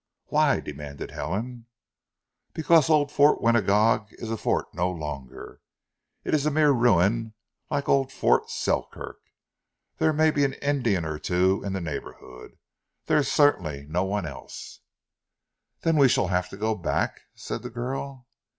"Why?" demanded Helen. "Because old Fort Winagog is a fort no longer. It is a mere ruin like old Fort Selkirk. There may be an Indian or two in the neighbourhood. There is certainly no one else." "Then we shall have to go back?" said the girl.